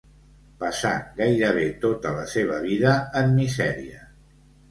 Passà gairebé tota la seva vida en misèria.